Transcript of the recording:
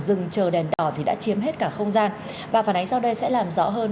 trong thời gian và phản ánh sau đây sẽ làm rõ hơn